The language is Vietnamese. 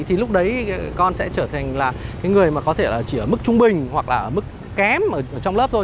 thì lúc đấy con sẽ trở thành người có thể chỉ ở mức trung bình hoặc là mức kém trong lớp thôi